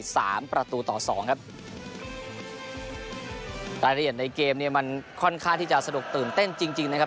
สามประตูต่อสองครับรายละเอียดในเกมเนี้ยมันค่อนข้างที่จะสนุกตื่นเต้นจริงจริงนะครับ